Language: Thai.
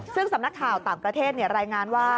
ซึ่งสำนักข่าวต่างประเทศรายงานว่า